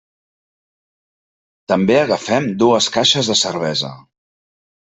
També agafem dues caixes de cervesa.